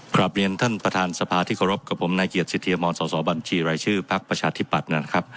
ครับเรียนท่านประธานสภาที่ขอรับกับผมนายเกียรติสิทธิฮฮสบชรายชื่อภักดิ์ประชาธิปัตย์